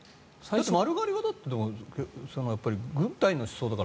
丸刈りは軍隊の思想。